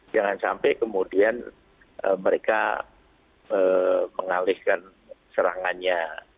jangan sampai kemudian mereka mengalihkan serangannya